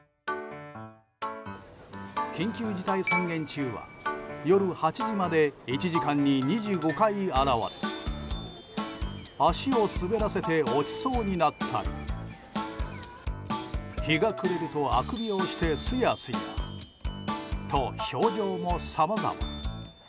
緊急事態宣言中は夜８時まで１時間に２５回現れ足を滑らせて落ちそうになったり日が暮れるとあくびをしてすやすやと表情もさまざま。